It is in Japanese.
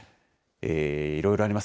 いろいろあります。